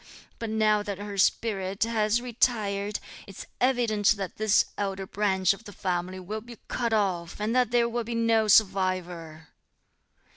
but now that her spirit has retired, it's evident that this elder branch of the family will be cut off and that there will be no survivor."